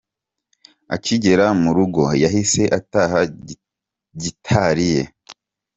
Akigera mu rugo, yahise ataha Gitari ye.